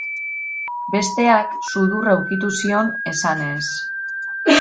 Besteak, sudurra ukitu zion, esanez.